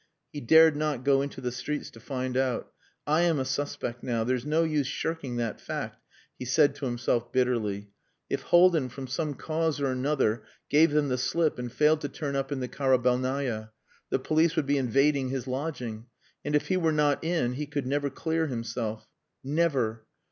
He dared not go into the streets to find out. "I am a suspect now. There's no use shirking that fact," he said to himself bitterly. If Haldin from some cause or another gave them the slip and failed to turn up in the Karabelnaya the police would be invading his lodging. And if he were not in he could never clear himself. Never.